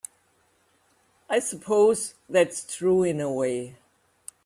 I suppose that's true in a way.